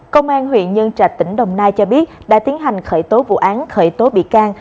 công an huyện nhân trạch tỉnh đồng nai cho biết đã tiến hành khởi tố vụ án khởi tố bị can